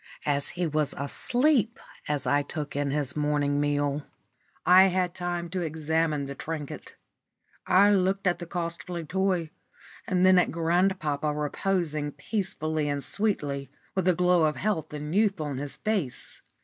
As he was asleep when I took in his morning meal, I had time to examine the trinket. I looked at the costly toy, and then at grandpapa reposing peacefully and sweetly, with a glow of health and youth on his face.